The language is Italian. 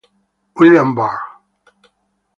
William Ward